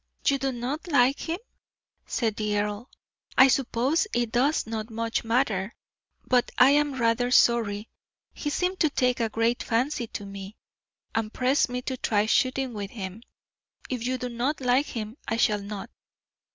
"You do not like him?" said the earl. "I suppose it does not much matter, but I am rather sorry. He seemed to take a great fancy to me, and pressed me to try shooting with him. If you do not like him, I shall not."